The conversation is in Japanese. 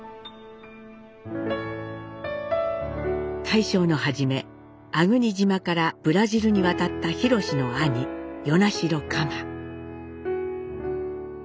大正の初め粟国島からブラジルに渡った廣の兄与那城蒲。